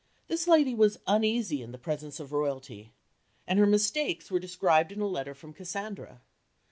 This lady was uneasy in the presence of Royalty, and her mistakes were described in a letter from Cassandra.